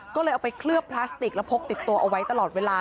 ก็เลยเอาไปเคลือบพลาสติกแล้วพกติดตัวเอาไว้ตลอดเวลา